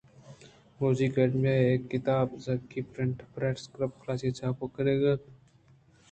بلوچی اکیڈمی ءَ اے کتاب ذکی پرنٹنگ پریس کراچی ءَ چھاپ کنائینتگ ءُ شنگ کتگ